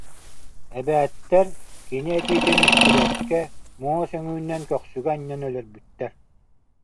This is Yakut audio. Эбээттэр кини этиитин истибэккэ муос үҥүүнэн көхсүгэ анньан өлөрбүттэр